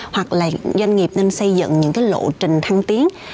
hoặc là doanh nghiệp nên xây dựng những cái lộ trình thăng tiến